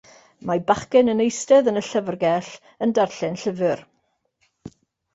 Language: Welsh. Mae bachgen yn eistedd yn y llyfrgell, yn darllen llyfr.